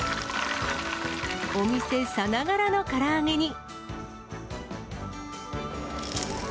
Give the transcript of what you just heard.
お店さながらのから揚げに。